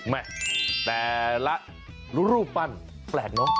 แม่แต่ละรูปปั้นแปลกเนอะ